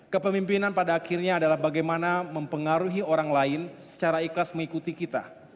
kepemimpinan pada akhirnya adalah bagaimana mempengaruhi orang lain secara ikhlas mengikuti kita